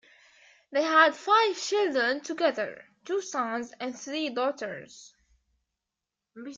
They had five children together: two sons and three daughters.